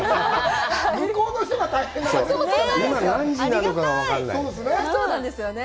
向こうの人が大変なんだよね。